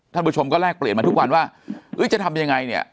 ท่านผู้ชมก็แลกเปลี่ยนมาทุกวันว่าจะทำยังไงเนี่ย